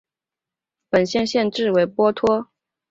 本县县治为波托。